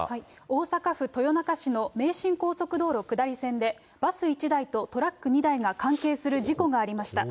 大阪府豊中市の名神高速道路下り線で、バス１台とトラック２台が関係する事故がありました。